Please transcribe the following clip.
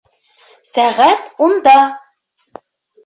Сәғәт унда